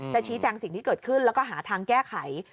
ชี้แจงสิ่งที่เกิดขึ้นแล้วก็หาทางแก้ไข